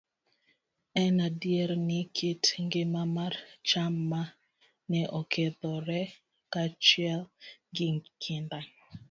En adier ni, kit ngima mar cham ma ne okethore kaachiel gi kinda